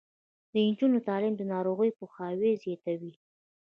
د نجونو تعلیم د ناروغیو پوهاوی زیاتوي.